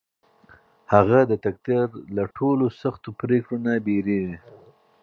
هغه د تقدیر له ټولو سختو پرېکړو نه وېرېږي.